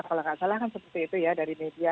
kalau nggak salah kan seperti itu ya dari media